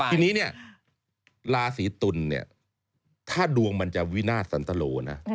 ทีนี้เนี่ยราศีตุลเนี่ยถ้าดวงมันจะวินาทสันตโลนะ